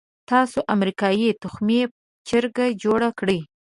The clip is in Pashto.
تاسو امریکې تخمي چرګه جوړه کړې.